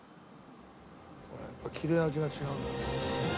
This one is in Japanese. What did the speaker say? これやっぱ切れ味が違うんだね。